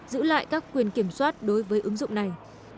giữ lại các quyền kiểm soát đối với ứng dụng này